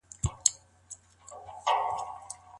د خاوند او مېرمني ستونزې څنګه حل کړو؟